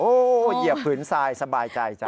โอ้โหเหยียบผืนทรายสบายใจจ้